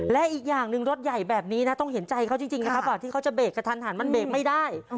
และอีกอย่างหนึ่งรถใหญ่แบบนี้นะต้องเห็นใจเขาจริงนะครับกว่าที่เขาจะเบรกกระทันหันมันเบรกไม่ได้